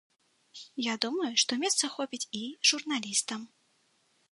Я думаю, што месца хопіць і журналістам.